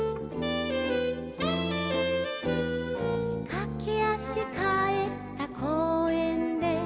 「かけ足かえった公園で」